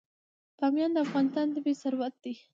بامیان د افغانستان طبعي ثروت دی.